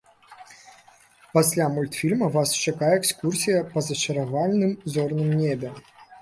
Пасля мультфільма вас чакае экскурсія па зачаравальным зорным небе.